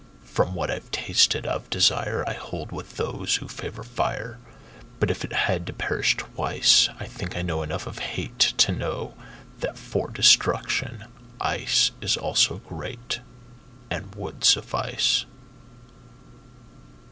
From what I've tasted of desireI hold with those who favor fire. But if it had to perish twice,I think I know enough of hateTo know that for destruction iceIs also greatAnd would suffice.